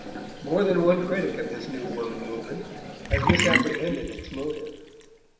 More than one critic of this new woman movement has misapprehended its motive.